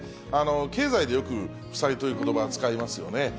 経済でよく負債ということばを使いますよね。